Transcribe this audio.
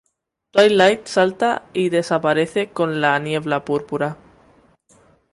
Twilight salta y desaparece con la niebla púrpura.